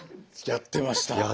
やってました。